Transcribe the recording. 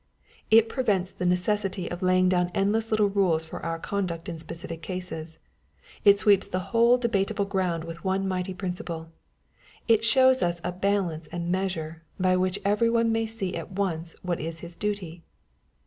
It prevents the neces sity of laying down endless little rules for our conduct in specific cases. It sweeps the whole debateable ground with one mighty principle. It shows us a balance and measure, by which every one may see at once what is his duty.